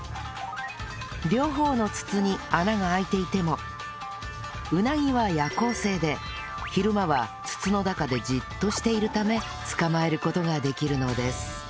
両方の筒に穴が開いていてもうなぎは夜行性で昼間は筒の中でじっとしているため捕まえる事ができるのです